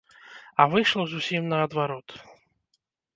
А выйшла зусім наадварот.